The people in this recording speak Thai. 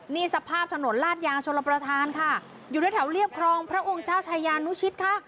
นี่สภาพถนนลาดยางชลประธานค่ะอยู่ด้วยแถวเรียบครองพระองค์เจ้าชายานุชิตค่ะ